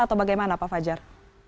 atau bagaimana pak fajar